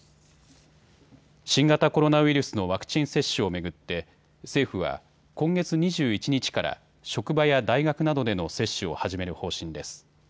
新型コロナウイルスのワクチン接種を巡って政府は、今月２１日から職場や大学などでの接種を始める方針です。